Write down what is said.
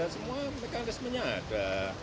semua mekanismenya ada